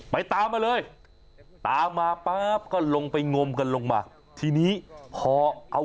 ไปตามมาเลยตามมาป๊าบก็ลงไปงมกันลงมา